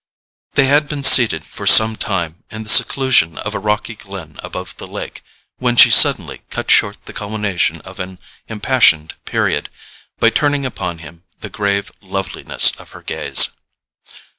They had been seated for some time in the seclusion of a rocky glen above the lake, when she suddenly cut short the culmination of an impassioned period by turning upon him the grave loveliness of her gaze.